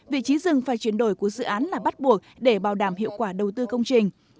vị trí rừng phải chuyển đổi của dự án là bắt buộc để bảo đảm hiệu quả đầu tư công trình